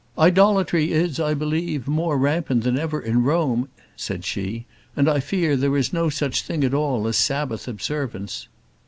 "Idolatry is, I believe, more rampant than ever in Rome," said she; "and I fear there is no such thing at all as Sabbath observance."